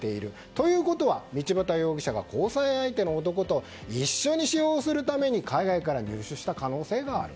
ということは道端容疑者が交際相手の男と一緒に使用するために海外から入手した可能性がある。